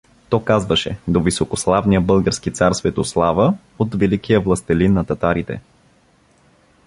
То казваше: До високославния български цар Светослава от великия властелин на татарите.